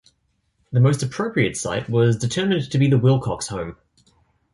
The most appropriate site was determined to be the Wilcox home.